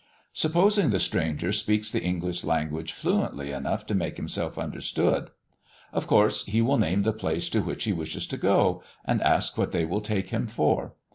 Supposing the stranger speaks the English language fluently enough to make himself understood, of course he will name the place to which he wishes to go, and ask what they will take him for.